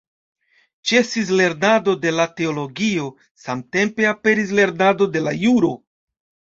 Ĉesis lernado de la teologio, samtempe aperis lernado de la juro.